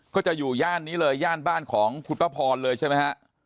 ก็จะอยู่ย่านนี้เลยย่านบ้านของคุณป้าพรเลยใช่ไหมฮะ